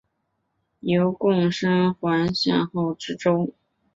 由贡生援例候选知州。